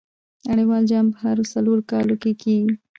نړۍوال جام په هرو څلور کاله کښي کیږي.